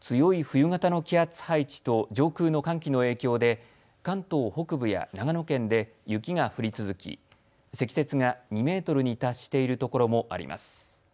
強い冬型の気圧配置と上空の寒気の影響で関東北部や長野県で雪が降り続き積雪が２メートルに達しているところもあります。